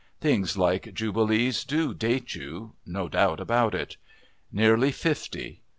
Things like Jubilees do date you no doubt about it. Nearly fifty.